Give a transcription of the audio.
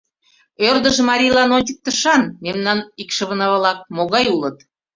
Ӧрдыж марийлан ончыктышан!: мемнан икшывына-влак могай улыт.